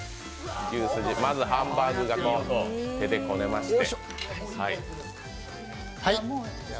まずハンバーグを手でこねまして。